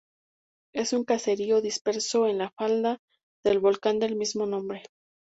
Es un caserío disperso en la falda del volcán del mismo nombre.